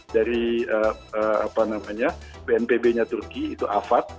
dari bnpb nya turki itu afad